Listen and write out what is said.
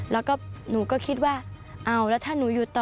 แล้วก็หนูก็คิดว่าเอาแล้วถ้าหนูอยู่ต่อ